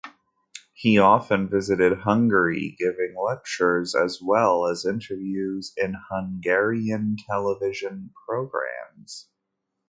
He often visited Hungary, giving lectures as well as interviews in Hungarian television programs.